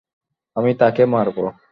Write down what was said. আমি তাকে মারব।